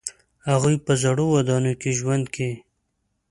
هغوی په زړو ودانیو کې ژوند کوي.